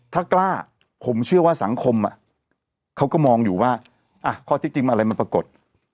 ถ้ากล้าผมเชื่อว่าสังคมเขาก็มองอยู่ว่าข้อที่จริงอะไรมันปรากฏ